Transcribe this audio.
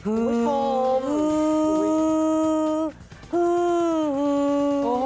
คุณผู้ชม